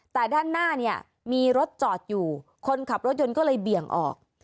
แต่ด้านหน้าเนี่ยมีรถจอดอยู่คนขับรถยนต์ก็เลยเบี่ยงออก